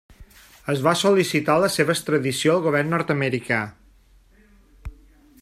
Es va sol·licitar la seva extradició al govern nord-americà.